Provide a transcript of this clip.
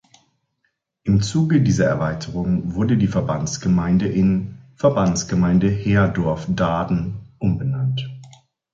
Im Zuge dieser Erweiterung wurde die Verbandsgemeinde in „Verbandsgemeinde Herdorf-Daaden“ umbenannt.